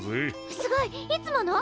すごい！いつもの？